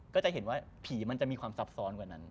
ก็จะเห็นว่าผีมันจะมีความซับซ้อนกว่านั้น